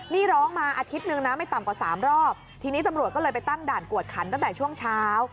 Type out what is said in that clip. นี่ร้องมาอาทิตย์หนึ่งนะไม่ต่ำกว่าสามรอบทีนี้ตำรวจก็เลยไปตั้งด่านกวดขันตั้งแต่ช่วงเช้า